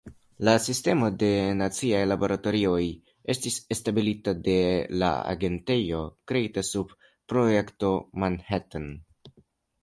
La Sistemo de Naciaj Laboratorioj estis establita de la agentejo kreita sub Projekto Manhattan.